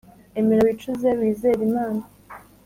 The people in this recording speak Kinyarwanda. emera wicuze wizere imana